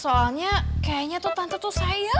soalnya kayaknya tuh tante tuh sayang banget sama aku